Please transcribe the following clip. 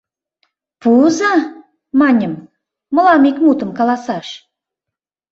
«Пуыза, — маньым, — мылам ик мутым каласаш».